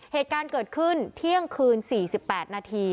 เหตุการณ์เกิดขึ้นเที่ยงคืน๔๘นาที